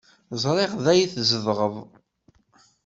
Ẓriɣ da ay tzedɣeḍ.